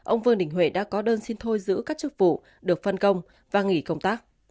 ông vương đình huệ đã có đơn xin thôi giữ các chức vụ được phân công và nghỉ công tác